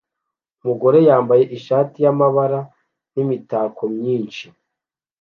Umugore yambaye ishati y'amabara n'imitako myinshi